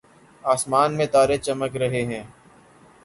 آسمان میں تارے چمک رہے ہیں